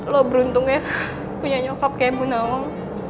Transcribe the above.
lo beruntungnya punya nyokap kayak bu nawang